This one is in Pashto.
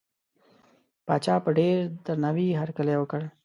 پاچا په ډېر درناوي هرکلی وکړ.